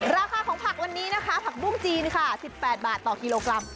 ราคาของผักวันนี้นะคะผักบุ้งจีนค่ะ๑๘บาทต่อกิโลกรัม